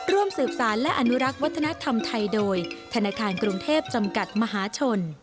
ร่วมสืบสารและอนุรักษ์วัฒนธรรมไทยโดยธนาคารกรุงเทพจำกัดมหาชน